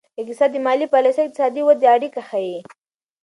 اقتصاد د مالي پالیسیو او اقتصادي ودې اړیکه ښيي.